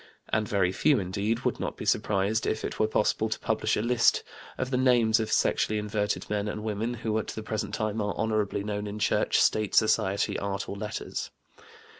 And very few, indeed, would not be surprised if it were possible to publish a list of the names of sexually inverted men and women who at the present time are honorably known in church, state, society, art, or letters.